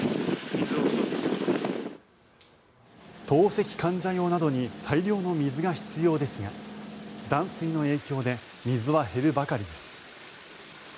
透析患者用などに大量の水が必要ですが断水の影響で水は減るばかりです。